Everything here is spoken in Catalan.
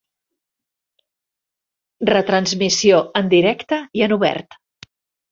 Retransmissió en directe i en obert.